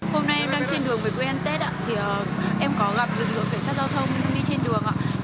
hôm nay em đang trên đường về quê ăn tết ạ thì em có gặp lực lượng cảnh sát giao thông đi trên đường ạ